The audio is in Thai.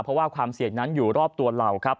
เพราะว่าความเสี่ยงนั้นอยู่รอบตัวเราครับ